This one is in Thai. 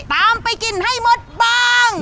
ตามไปกินให้หมดบ้าง